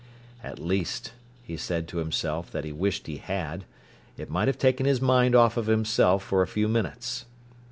At least, he said to himself that he wished he had; it might have taken his mind off of himself for a few minutes.